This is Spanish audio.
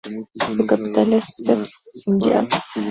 Su capital es Sept-Îles.